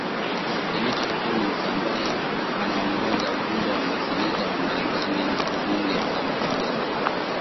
Seneta Coons ambaye anaongoza ujumbe wa Maseneta wa Marekani na wabunge amempongeza